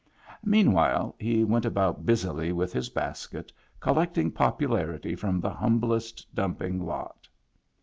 Mean while he went about busily with his basket, collecting popularity from the humblest dump ing lot.